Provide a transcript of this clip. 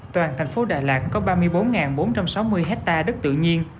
toàn thành phố đà lạt có ba mươi bốn bốn trăm sáu mươi hectare đất tự nhiên